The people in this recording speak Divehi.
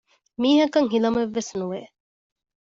މީހަކަށް ހިލަމެއް ވެސް ނުވެ